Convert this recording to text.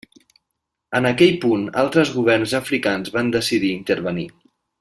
En aquell punt altres governs africans van decidir intervenir.